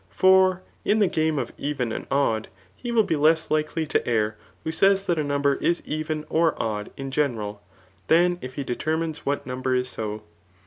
For in the game of even and odd, he will be lese likely to err who says that a number is eVen or odd in general^ than if he determines what number is so.